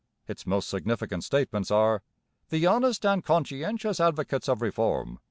Its most significant statements are: 'The honest and conscientious advocates of reform